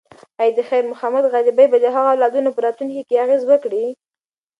ایا د خیر محمد غریبي به د هغه د اولادونو په راتلونکي اغیز وکړي؟